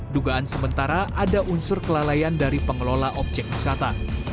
dugaan sementara ada unsur kelalaian dari pengelola objek wisata